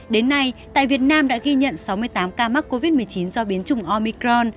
đến nay tại việt nam đã ghi nhận sáu mươi tám ca mắc covid một mươi chín do biến chủng omicron